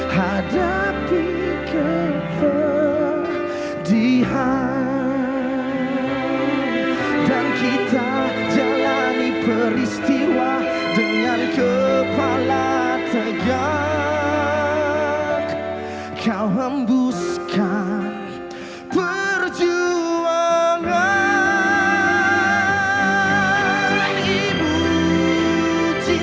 hadirin kami persilakan duduk kembali